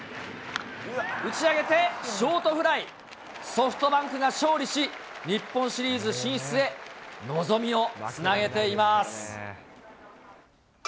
打ち上げて、ショートフライ、ソフトバンクが勝利し、日本シリーズ進出へ望みをつなげています。